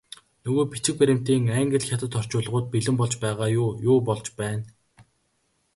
Нөгөө бичиг баримтын англи, хятад орчуулгууд бэлэн болж байгаа юу, юу болж байна?